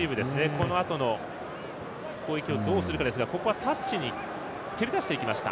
このあとの攻撃をどうするかですがここはタッチに蹴り出していきました。